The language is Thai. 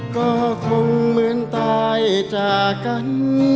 ก็คงเหมือนตายจากกัน